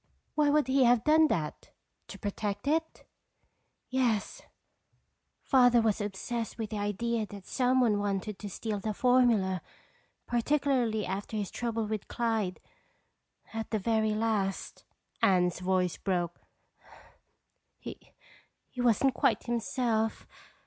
"Why would he have done that? To protect it?" "Yes, Father was obsessed with the idea that someone wanted to steal the formula, particularly after his trouble with Clyde. At the very last—" Anne's voice broke. "—he wasn't quite himself.